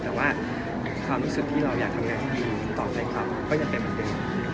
แต่ว่าความรู้สึกที่เราอยากทำงานให้ดีต่อใจเขาก็ยังเป็นเหมือนเดิม